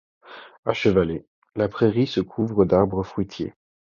À Chevalet, la prairie se couvre d'arbres fruitiers.